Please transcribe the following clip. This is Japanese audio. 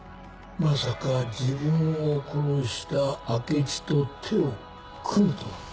まさか自分を殺した明智と手を組むとは。